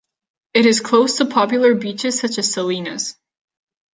It is close to popular beaches such as Salinas.